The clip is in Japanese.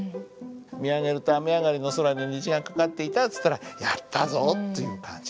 「見上げると雨上がりの空に虹がかかっていた」っつったら「やったぞ」という感じになる。